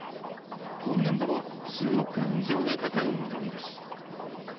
今年度も数億円以上がかかる見込みです。